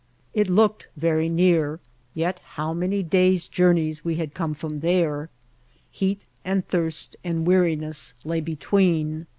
It looked ver}? near, yet how many days' journeys we had come from there! Heat and thirst and weariness lay between.